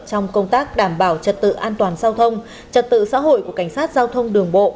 trong công tác đảm bảo trật tự an toàn giao thông trật tự xã hội của cảnh sát giao thông đường bộ